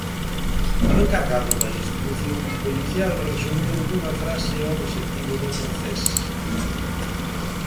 O encargado da instrución policial resumiu nunha frase o obxectivo do Procés.